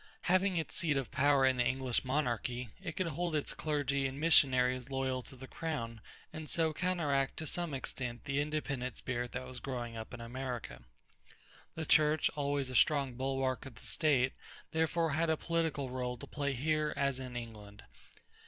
Having its seat of power in the English monarchy, it could hold its clergy and missionaries loyal to the crown and so counteract to some extent the independent spirit that was growing up in America. The Church, always a strong bulwark of the state, therefore had a political rôle to play here as in England.